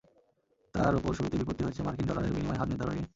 তার ওপর শুরুতেই বিপত্তি হয়েছে মার্কিন ডলারের বিনিময় হার নির্ধারণ নিয়ে।